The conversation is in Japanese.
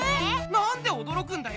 なんでおどろくんだよ？